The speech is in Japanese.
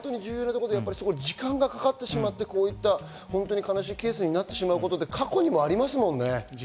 時間がかかってしまって、悲しいケースになってしまうことって過去にもありますもんね。